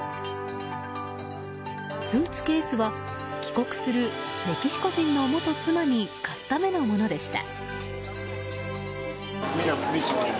スーツケースは帰国するメキシコ人の元妻に貸すためのものでした。